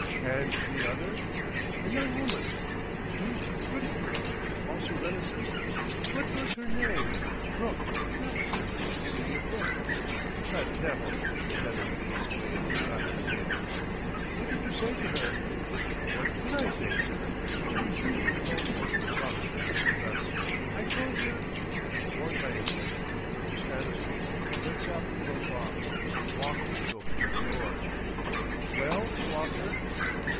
"And the other?" "A young woman deuced pretty girl also reticent. What was her name? Brooke that was it: Cecelia Brooke." "The devil!" Stanistreet exclaimed, dropping the papers. "What did you say to her?" "What could I say, sir? She refused to divulge a word about her business with us. I told her " Warned by a gesture from Colonel Stanistreet, Blensop broke off. Walker was opening the door. "Well, Walker?"